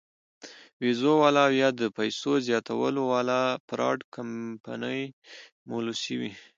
وېزو واله او يا د پېسو زياتولو واله فراډ کمپنيانې ملوثې وي -